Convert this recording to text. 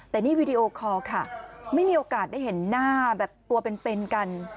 แต่นี่วีดีโอคอร์ค่ะไม่มีโอกาสได้เห็นหน้าแบบตัวเป็นกัน